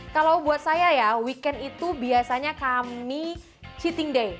kalau buat saya ya weekend itu biasanya kami cheating day